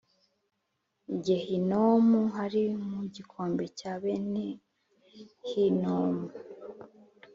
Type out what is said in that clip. gehinomu hari mu gikombe cya bene hinomu